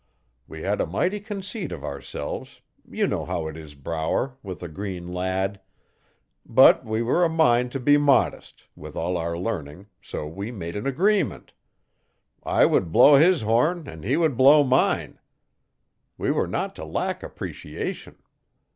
We had a mighty conceit of ourselves you know how it is, Brower, with a green lad but we were a mind to be modest, with all our learning, so we made an agreement: I would blaw his horn and he would blaw mine. We were not to lack appreciation.